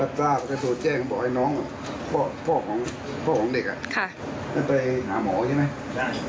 แล้วทราบก็ตัวแจ้งบอกให้น้องพ่อของเด็กน่าจะไปหาหมอใช่ไหม